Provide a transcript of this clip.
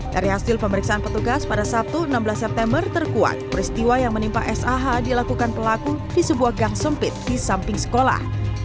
dari hasil pemeriksaan petugas pada sabtu enam belas september terkuat peristiwa yang menimpa sah dilakukan pelaku di sebuah gang sempit di samping sekolah